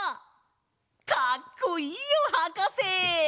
かっこいいよはかせ！